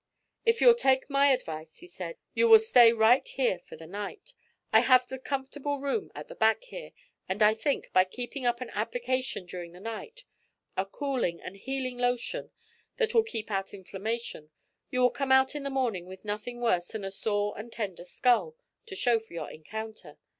'If you'll take my advice,' he said, 'you will stay right here for the night. I have a comfortable room at the back here, and I think, by keeping up an application during the night, a cooling and healing lotion that will keep out inflammation, you will come out in the morning with nothing worse than a sore and tender skull to show for your encounter.